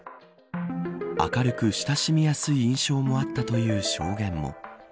明るく親しみやすい印象もあったという証言も。